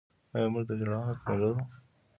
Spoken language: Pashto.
آیا موږ د ژړا حق نلرو؟